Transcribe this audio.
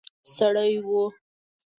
سړی وو.